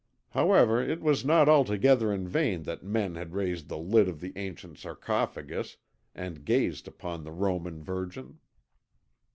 However, it was not altogether in vain that men had raised the lid of the ancient sarcophagus and gazed upon the Roman Virgin.